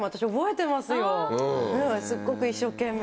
すっごく一生懸命。